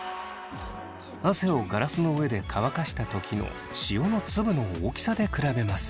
汗をガラスの上で乾かした時の塩の粒の大きさで比べます。